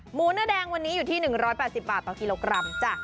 เนื้อแดงวันนี้อยู่ที่๑๘๐บาทต่อกิโลกรัมจ้ะ